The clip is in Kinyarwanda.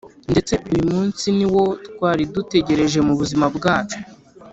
ndetse uyu munsi ni wo twari dutegereje mu buzima bwacu